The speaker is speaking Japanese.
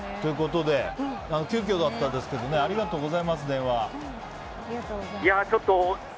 急きょだったんですがありがとうございます、電話。